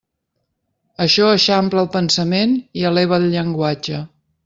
Això eixampla el pensament i eleva el llenguatge.